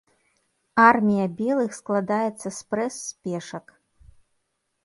Армія белых складаецца спрэс з пешак.